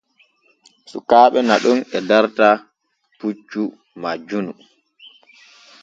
Sukaaɓe naɗon e darta puccu majjunu.